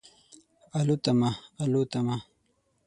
الوتمه، الوتمه